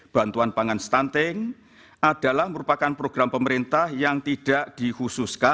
bantuan pangan stunting adalah merupakan program pemerintah yang tidak dihususkan